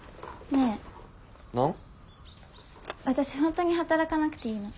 私本当に働かなくていいの？